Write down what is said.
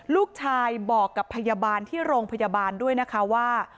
ลูกชายบอกกับพยาบาลที่โรงพยาบาลด้วยนะคะว่า